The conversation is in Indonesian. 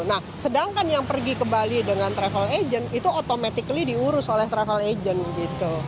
nah sedangkan yang pergi ke bali dengan travel agent itu automatically diurus oleh travel agent gitu